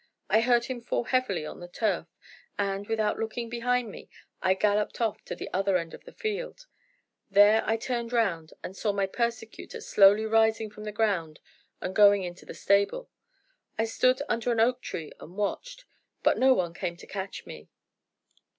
I heard him fall heavily on the turf, and, without looking behind me, I galloped off to the other end of the field; there I turned round and saw my persecutor slowly rising from the ground and going into the stable. I stood under an oak tree and watched, but no one came to catch me.